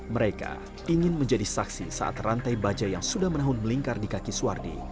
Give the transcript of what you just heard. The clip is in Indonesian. mereka ingin menjadi saksi saat rantai bajai yang sudah menahun melingkar di kaki suwardi